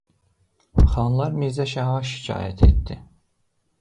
Xanlar mirzə şaha şikayət etdi.